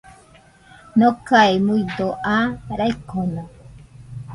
Nokae muido aa raikono.